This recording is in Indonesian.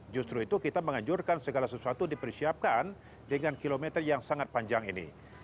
justru itu kita menganjurkan segala sesuatu dipersiapkan dengan kilometer yang sangat panjang ini